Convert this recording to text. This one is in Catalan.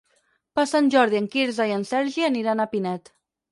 Per Sant Jordi en Quirze i en Sergi aniran a Pinet.